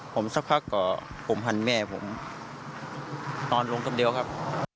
ผมซักพักก่อผมหันแม่นอนลงตั้งเดียวครับ